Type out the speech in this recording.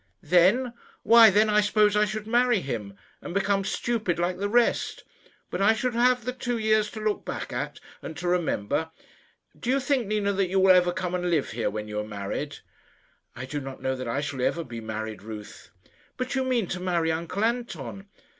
"Then? Why, then I suppose I should marry him, and become stupid like the rest. But I should have the two years to look back at and to remember. Do you think, Nina, that you will ever come and live here when you are married?" "I do not know that I shall ever be married, Ruth." "But you mean to marry uncle Anton?"